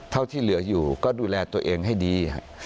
เท่าที่เหลืออยู่ก็ดูแลตัวเองให้ดี